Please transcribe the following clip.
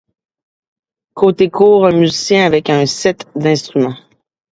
Côté cour, un musicien avec un set d'instruments.